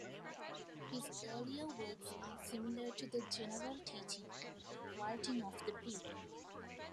His earlier works are similar to the general teaching and writing of the period.